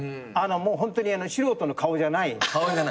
もうホントに素人の顔じゃない。